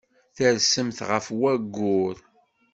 Tersemt ɣef wayyur.